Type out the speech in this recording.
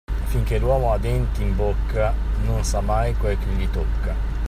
Finché l'uomo ha denti in bocca, non sa mai quel che gli tocca.